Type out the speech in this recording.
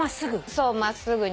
そう真っすぐに。